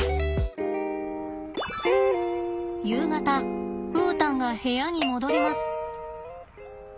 夕方ウータンが部屋に戻ります。